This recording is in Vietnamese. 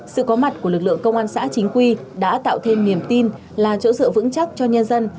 sự có mặt của lực lượng công an xã chính quy đã tạo thêm niềm tin là chỗ dựa vững chắc cho nhân dân